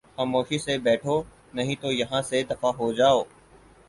خاموشی سے بیٹھو نہیں تو یہاں سے دفعہ ہو جاؤ